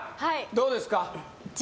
どうですか？